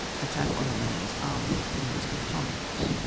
ATTACK ON THE ENEMY'S ARMY IN ITS CANTONMENTS.